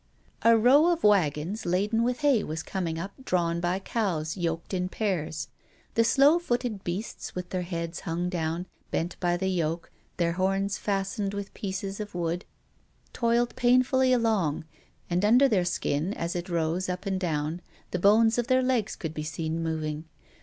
A row of wagons laden with hay was coming up drawn by cows yoked in pairs. The slow footed beasts, with their heads hung down, bent by the yoke, their horns fastened with pieces of wood, toiled painfully along; and under their skin, as it rose up and down, the bones of their legs could be seen moving.